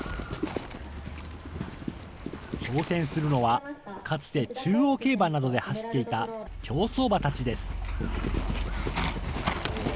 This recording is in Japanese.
挑戦するのは、かつて中央競馬などで走っていた競走馬たちです。